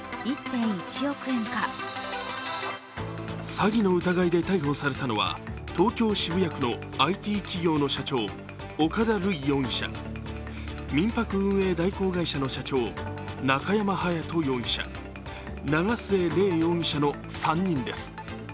詐欺の疑いで逮捕されたのは東京・渋谷区のＩＴ企業の社長、岡田塁容疑者、民泊運営代行会社の社長、中山勇人容疑者、長末嶺容疑者の３人です。